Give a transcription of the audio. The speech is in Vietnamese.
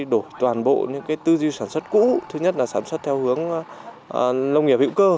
đổi toàn bộ những tư duy sản xuất cũ thứ nhất là sản xuất theo hướng nông nghiệp hữu cơ